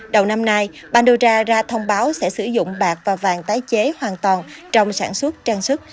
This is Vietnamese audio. đầu năm nay pandora ra thông báo sẽ sử dụng bạc và vàng tái chế hoàn toàn trong sản xuất trang sức